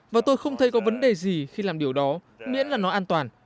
và tôi không thấy có vấn đề gì khi làm điều đó miễn là nó an toàn